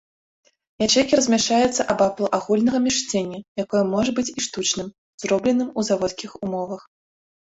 Ячэйкі размяшчаюцца абапал агульнага міжсцення, якое можа быць і штучным, зробленым у заводскіх умовах.